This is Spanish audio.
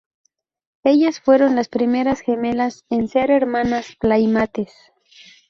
Ellas fueron las primeras gemelas en ser hermanas Playmates.